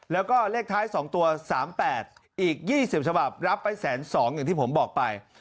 แล้วก็เลขท้าย๒ตัว๓๘อีก๒๐ฉบับรับไป๑๒๐๐อย่างที่ผมบอกไป